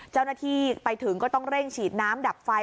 เจ้าหน้าที่ไปถึงก็ต้องเร่งฉีดน้ำดับไฟ